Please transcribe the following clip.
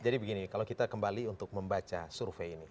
jadi begini kalau kita kembali untuk membaca survei ini